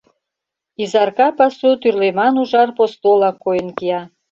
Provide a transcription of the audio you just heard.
Изарка пасу тӱрлеман ужар постола койын кия.